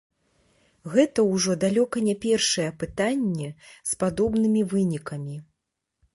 Гэта ўжо далёка не першае апытанне з падобнымі вынікамі.